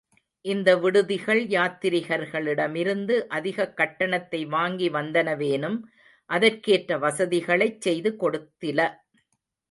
இந்த விடுதிகள் யாத்திரிகர்களிடமிருந்து அதிகக் கட்டணத்தை வாங்கி வந்தனவேனும், அதற்கேற்ற வசதிகளைச் செய்து கொடுத்தில.